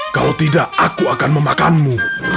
kalau tidak aku akan memakanmu